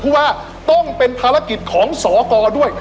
เพราะว่าต้องเป็นภารกิจของสกด้วย